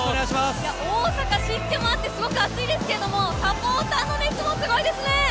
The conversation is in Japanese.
大阪、湿気もあって、とても熱いですけど、サポーターの熱もすごいですね。